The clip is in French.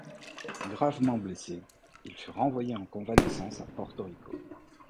Gravement blessé, il fut renvoyé en convalescence à Porto Rico.